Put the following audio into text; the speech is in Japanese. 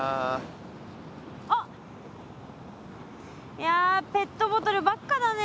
いやペットボトルばっかだね。